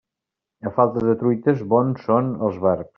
A falta de truites, bons són els barbs.